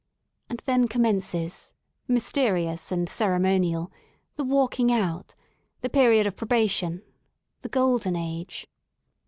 And then commences, mys terious and ceremonial, the walking out, the period of probation, the golden age.